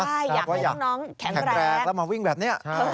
ใช่อยากให้น้องแข็งแรงแล้วมาวิ่งแบบนี้